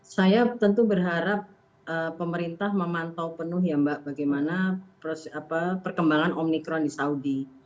saya tentu berharap pemerintah memantau penuh ya mbak bagaimana perkembangan omikron di saudi